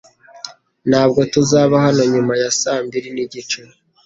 Ntabwo tuzaba hano nyuma ya saa mbiri nigice .